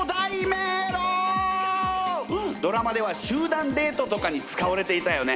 ドラマでは集団デートとかに使われていたよね。